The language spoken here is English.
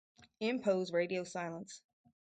Impose radio silence.